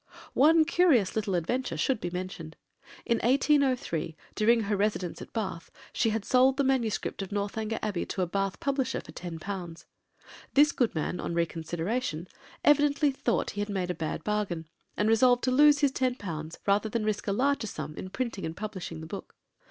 One curious little adventure should be mentioned. In 1803, during her residence at Bath, she had sold the manuscript of Northanger Abbey to a Bath publisher for £10. This good man, on reconsideration, evidently thought he had made a bad bargain, and resolved to lose his ten pounds rather than risk a larger sum in printing and publishing the book.